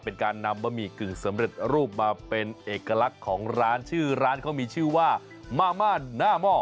เป็นการนำบะหมี่กึ่งสำเร็จรูปมาเป็นเอกลักษณ์ของร้านชื่อร้านเขามีชื่อว่ามาม่านหน้าหม้อ